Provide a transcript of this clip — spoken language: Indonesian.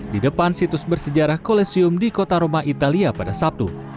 di depan situs bersejarah kolesium di kota roma italia pada sabtu